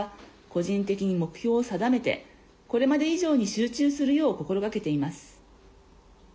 個人的に目標を定めてこれまで以上に集中するよう心がけています。